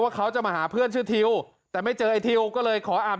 เขาจะมาหาเพื่อนชื่อทิวแต่ไม่เจอไอทิวก็เลยขออาบ